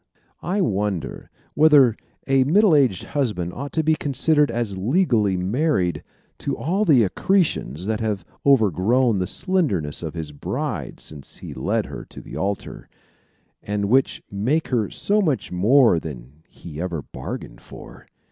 I wonder whether a middle aged husband ought to be considered as legally married to all the accretions that have overgrown the slenderness of his bride, since he led her to the altar, and which make her so much more than he ever bargained for!